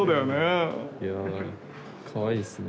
いやかわいいっすね。